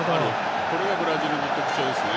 これがブラジルの特徴ですね。